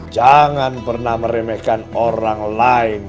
jangan pernah meremehkan orang lain